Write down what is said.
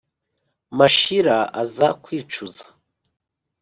mashira aza kwicuza